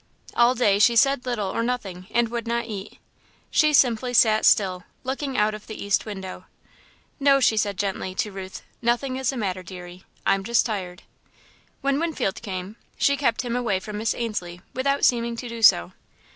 All day she said little or nothing and would not eat. She simply sat still, looking out of the east window. "No," she said, gently, to Ruth, "nothing is the matter, deary, I'm just tired." When Winfield came, she kept him away from Miss Ainslie without seeming to do so.